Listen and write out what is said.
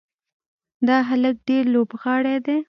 دا هلک ډېر لوبغاړی دی.